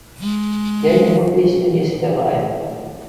Я яго песню не спяваю.